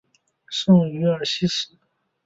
圣于尔西斯。